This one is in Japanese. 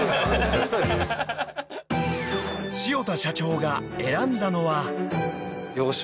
［塩田社長が選んだのは？］